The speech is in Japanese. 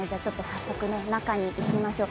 早速、中に行きましょう。